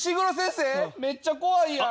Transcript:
めっちゃ怖いやん。